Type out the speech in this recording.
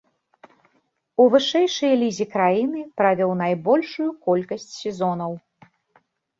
У вышэйшай лізе краіны правёў найбольшую колькасць сезонаў.